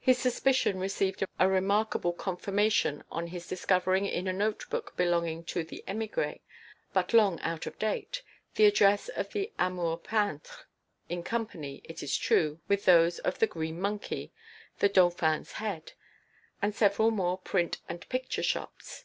His suspicion received a remarkable confirmation on his discovering in a note book belonging to the émigré, but long out of date, the address of the Amour peintre, in company, it is true, with those of the Green Monkey, the Dauphin's Head, and several more print and picture shops.